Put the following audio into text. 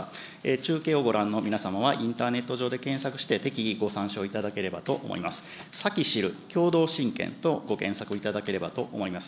中継をご覧の皆様はインターネット上で検索して、適宜、ご参照いただけたらと思います。